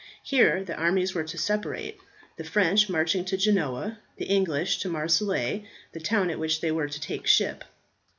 Here the armies were to separate, the French marching to Genoa, the English to Marseilles, the town at which they were to take ship.